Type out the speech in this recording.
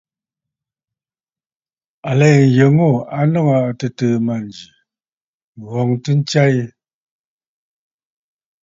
À lɛ nzi nyə ŋû a nɔŋə̀ a tɨtɨ̀ɨ̀ mânjì, ŋ̀ghɔŋtə ntsya yi.